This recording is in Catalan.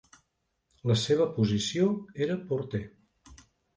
La seva posició era porter.